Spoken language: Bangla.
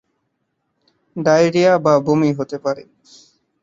ডায়রিয়া বা বমি হতে পারে।